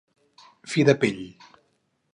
Fi de pell.